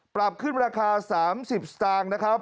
ปรับขึ้นราคา๓๐สตางค์